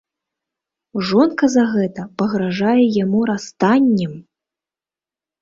Жонка за гэта пагражае яму расстаннем!